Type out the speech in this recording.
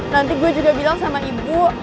nanti gue juga bilang sama ibu